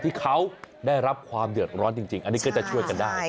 ที่เขาได้รับความเดือดร้อนจริงอันนี้ก็จะช่วยกันได้